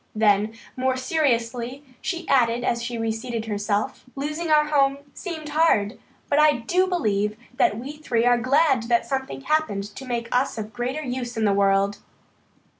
Then, more seriously, she added as she reseated herself: "Losing our home seemed hard, but I do believe that we three are glad that something happened to make us of greater use in the world."